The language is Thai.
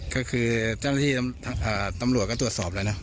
ก็คือเจ้าหน้าที่ตำรวจก็ตรวจสอบแล้วนะ